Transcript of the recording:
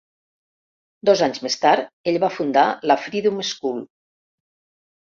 Dos anys més tard ell va fundar la Freedom School.